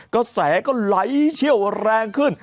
กระแสก็ไหลเชี่ยวแรงขึ้น